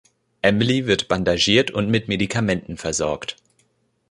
Emily wird bandagiert und mit Medikamenten versorgt.